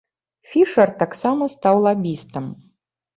Фішэр таксама стаў лабістам.